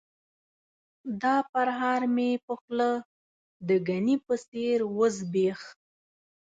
دا پرهار مې په خوله د ګني په څېر وزبیښ.